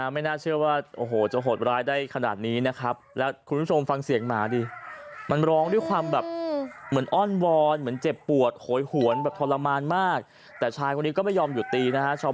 ไม่น่าเชื่อว่าจะหดร้ายได้ขนาดนี้นะครับแล้วคุณผู้ชมฟังเสียงหมาดิมันร้องด้วยความแบบเหมือนอ้อนวอนเหมือนเจ็บปวดโหยหวนแบบทรมานมากแต่ชายคนนี้ก็ไม่ยอมหยุดตีนะครับ